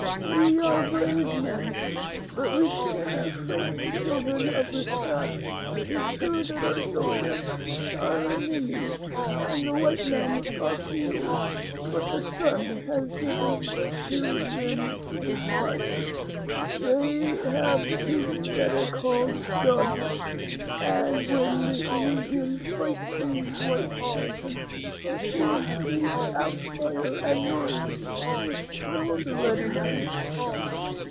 "We are brave men, but we cannot fight the Children of the Sun. It is true that our soldiers are many and the white men are few; but the Sun has given to them his fire. They have tubes that are called guns, and when the Indians fight these white children, the tubes speak out fire and noise, which kill the red men.